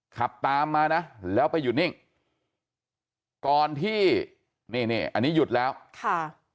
ขับตามมานะแล้วไปหยุดนิ่งก่อนที่นี่นี่อันนี้หยุดแล้วค่ะ